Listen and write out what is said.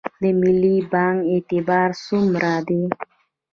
د ملي بانک اعتبار څومره دی؟